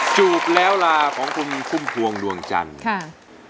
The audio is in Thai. จูบแล้วลาของคุณพุ่มพวงดวงจันทร์ค่ะ